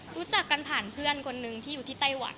รู้จักกันผ่านเพื่อนคนนึงที่อยู่ที่ไต้หวัน